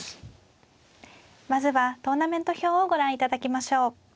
まずはトーナメント表をご覧いただきましょう。